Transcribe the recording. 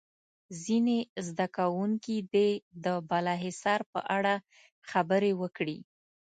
ځینې زده کوونکي دې د بالا حصار په اړه خبرې وکړي.